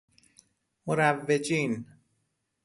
مروجین